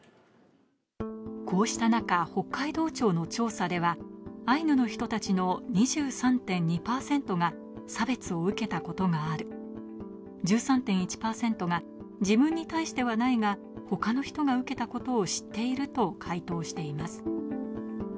こうした中、北海道庁の調査ではアイヌの人たちの２３．２％が差別を受けたことがある、１３．１％が自分に対してはないが、他の人が受けたことを知っていると回答しています。